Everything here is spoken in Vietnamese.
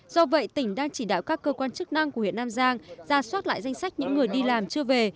do vậy tỉnh đang chỉ đạo các cơ quan chức năng của huyện nam giang ra soát lại danh sách những người đi làm chưa về